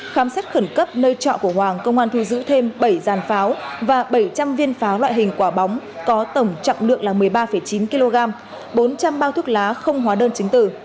khám xét khẩn cấp nơi trọ của hoàng công an thu giữ thêm bảy giàn pháo và bảy trăm linh viên pháo loại hình quả bóng có tổng trọng lượng là một mươi ba chín kg bốn trăm linh bao thuốc lá không hóa đơn chứng tử